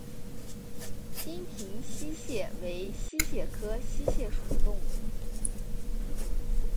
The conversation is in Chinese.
金平溪蟹为溪蟹科溪蟹属的动物。